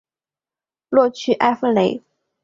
洛屈埃夫雷。